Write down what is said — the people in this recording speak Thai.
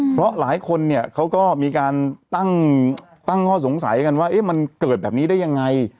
เพราะหลายคนเนี่ยเขาก็มีการตั้งข้อสงสัยกันว่ามันเกิดแบบนี้ได้ยังไง